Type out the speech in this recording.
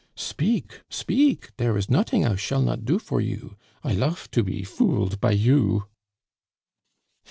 "Speak, speak, dere is noting I shall not do for you. I lofe to be fooled by you."